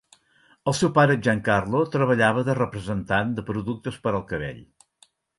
El seu pare, Giancarlo, treballava de representant de productes per al cabell.